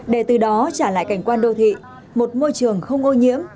để từ đó trả lại cảnh quan đô thị một môi trường không ô nhiễm